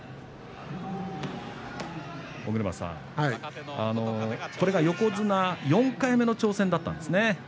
尾車さん、これが横綱への４回目の挑戦だったんですね。